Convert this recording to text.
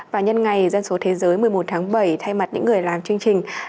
và nhân ngày dân số thế giới một mươi một tháng bảy thay mặt những người làm chương trình